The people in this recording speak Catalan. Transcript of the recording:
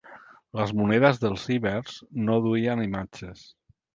Les monedes dels ibers no duien imatges.